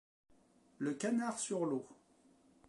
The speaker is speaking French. le canard sur l'eau